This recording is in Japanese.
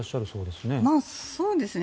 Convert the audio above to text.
まあ、そうですね。